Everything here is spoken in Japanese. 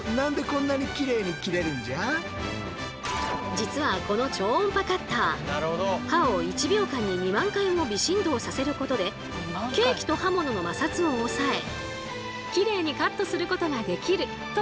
実はこの超音波カッター刃を１秒間に２万回も微振動させることでケーキと刃物の摩擦をおさえキレイにカットすることができるという仕組み。